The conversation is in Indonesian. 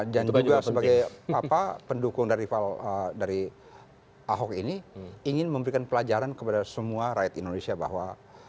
dan juga sebagai pendukung dan rival dari ahok ini ingin memberikan pelajaran kepada semua rakyat indonesia bahwa